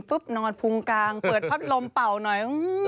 ปุ๊บนอนภูมิกลางเปิดภาพลมเป่าหน่อย